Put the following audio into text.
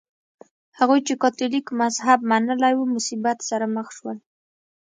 هغوی چې کاتولیک مذهب منلی و مصیبت سره مخ شول.